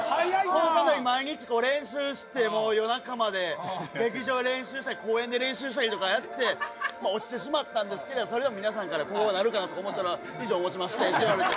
このために毎日練習してもう夜中まで劇場で練習したり公園で練習したりとかやって落ちてしまったんですけどそれを皆さんからこうなるかなと思ったら「以上をもちまして」って言われて。